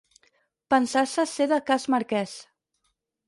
Pensar-se ser de Cas Marquès.